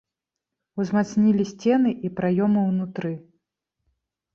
Узмацнілі сцены і праёмы унутры.